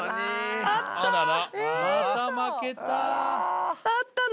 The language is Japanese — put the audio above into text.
あったの？